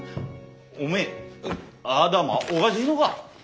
おめえ頭おかしいのか？